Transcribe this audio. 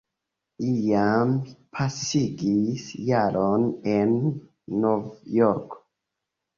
Iam pasigis jaron en Novjorko.